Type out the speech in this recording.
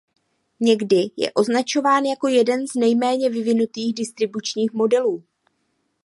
Někdy je označován jako jeden z nejméně vyvinutých distribučních modelů.